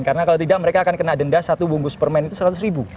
karena kalau tidak mereka akan kena denda satu bungkus permen itu seratus ribu